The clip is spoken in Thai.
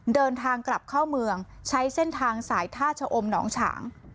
เดินทางกลับเข้าเมืองใช้เส้นทางสายท่าชะอมหนองฉาง